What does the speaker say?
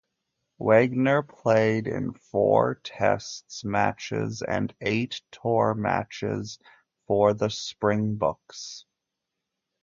Wegner played in four tests matches and eight tour matches for the Springboks.